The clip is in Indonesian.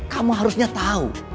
kamu harusnya tahu